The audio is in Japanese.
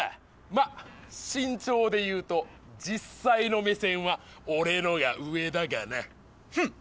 まっ身長でいうと実際の目線は俺のが上だがなフン！